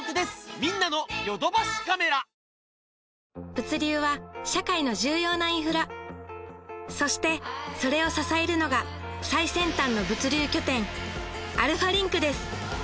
物流は社会の重要なインフラそしてそれを支えるのが最先端の物流拠点アルファリンクです